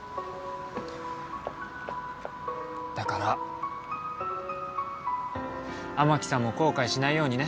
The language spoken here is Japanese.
だから雨樹さんも後悔しないようにね。